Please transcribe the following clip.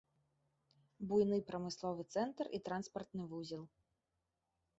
Буйны прамысловы цэнтр і транспартны вузел.